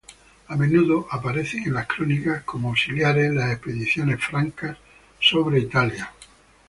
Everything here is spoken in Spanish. A menudo aparecen en las crónicas como auxiliares en las expediciones francas en Italia.